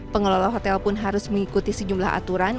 pengelola hotel pun harus mengikuti sejumlah aturan